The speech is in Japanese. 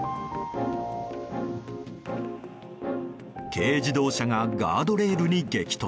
軽自動車がガードレールに激突。